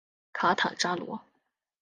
卡坦扎罗。